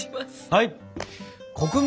はい！